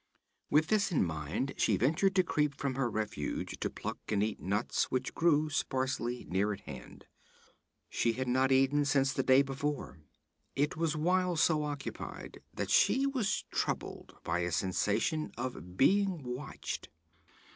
With this in mind she ventured to creep from her refuge to pluck and eat nuts which grew sparsely near at hand. She had not eaten since the day before. It was while so occupied that she was troubled by a sensation of being watched.